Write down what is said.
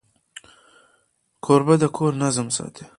کوربه د کور نظم ساتي.